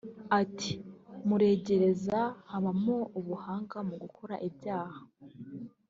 Ati “Muregereza habamo ubuhanga mu gukora ibyaha